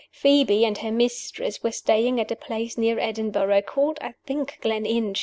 Phoebe and her mistress were staying at a place near Edinburgh, called (I think) Gleninch.